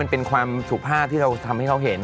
เป็นความสุขภาพที่เราทำให้เขาเห็น